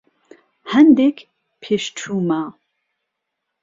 هەندێک پێشچوومە.